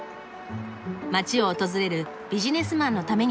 街を訪れるビジネスマンのために建てられた。